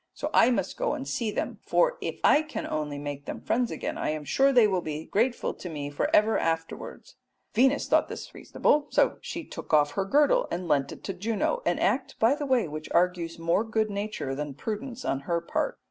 So I must go and see them, for if I can only make them friends again I am sure that they will be grateful to me for ever afterwards.'" Venus thought this reasonable, so she took off her girdle and lent it to Juno, an act by the way which argues more good nature than prudence on her part.